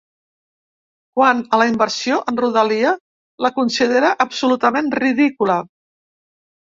Quant a la inversió en rodalia, la considera absolutament ridícula.